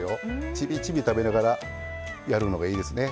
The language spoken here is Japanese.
ちびちび食べながらやるのがいいですね。